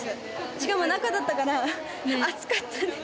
しかも中だったから暑かったです。